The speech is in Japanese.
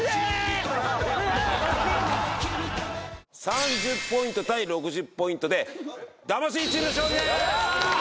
３０ポイント対６０ポイントで魂チームの勝利です！